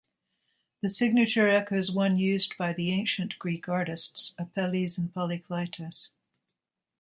The signature echoes one used by the ancient Greek artists, Apelles and Polykleitos.